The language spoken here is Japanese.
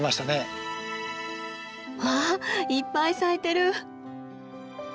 わあいっぱい咲いてる！